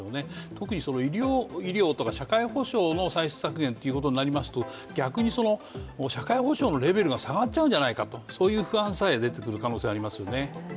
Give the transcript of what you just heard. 特に医療とか社会保障の歳出削減となりますと逆に社会保障のレベルが下がっちゃうんじゃないかとそういう不安さえ出てくる可能性がありますよね。